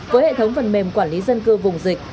với hệ thống phần mềm quản lý dân cư vùng dịch